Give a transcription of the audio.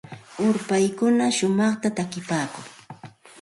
Ulpaykuna shumaqta takipaakun.